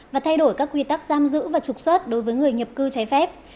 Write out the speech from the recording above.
và thay đổi các quy tắc giam giữ và trục xuất đối với người nhập cư trái phép